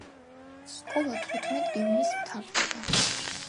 სკოლა თუთხმეტ ივნის მთავრდება